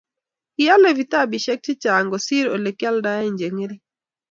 kiale vitabishek chechang kosir ole kialdai che ngering